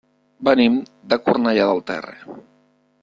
Venim de Cornellà del Terri.